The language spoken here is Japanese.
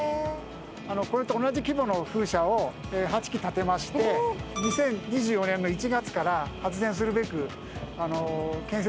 これと同じ規模の風車を８基建てまして２０２４年の１月から発電するべく建設が進められております。